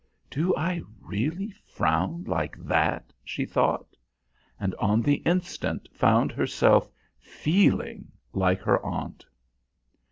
"Do I really frown like that?" she thought. And on the instant found herself feeling like her aunt.